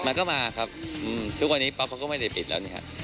มาก็มาครับทุกวันนี้ปั๊บเขาก็ไม่ได้ปิดแล้วนี่ครับ